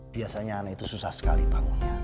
biasanya anak itu susah sekali bangunnya